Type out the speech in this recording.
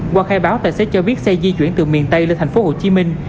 qua khai báo tài xế cho biết xe di chuyển từ miền tây lên thành phố hồ chí minh